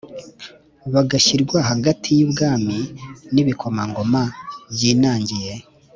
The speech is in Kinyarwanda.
bagashyirwa hagati y' u bwami n'ibikomangoma byinangiye